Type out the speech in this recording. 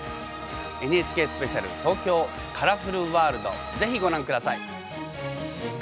ＮＨＫスペシャル「ＴＯＫＹＯカラフルワールド」是非ご覧ください。